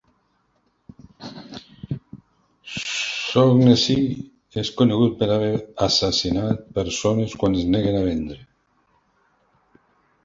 Shaughnessy és conegut per haver assassinat persones quan es neguen a vendre.